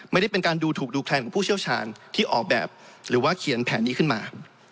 ไม่ได้เป็นการดูถูกดูแคลนของผู้เชี่ยวชาญที่ออกแบบหรือว่าเขียนแผนนี้ขึ้นมา